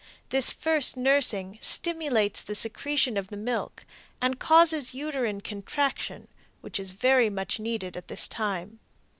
This first nursing stimulates the secretion of the milk and causes uterine contraction, which is very much needed at this time.